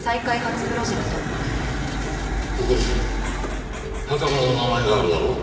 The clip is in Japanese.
ここに袴田の名前があるだろう。